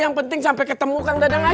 yang penting sampai ketemu kang dadang aja